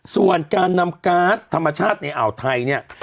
ส่วนการนำก๊าซธรรมชาติในอ่าวไทยเนี่ย